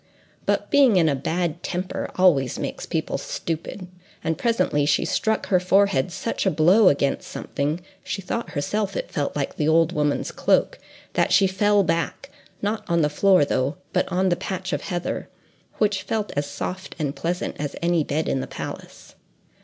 But being in a bad temper always makes people stupid, and presently she struck her forehead such a blow against something—she thought herself it felt like the old woman's cloak—that she fell back—not on the floor, though, but on the patch of heather, which felt as soft and pleasant as any bed in the palace.